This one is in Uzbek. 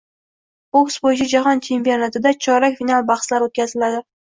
Boks bo‘yicha Jahon chempionatida chorak final bahslari o‘tkaziladi